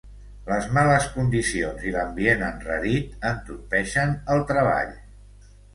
Les males condicions i l'ambient enrarit entorpeixen el treball.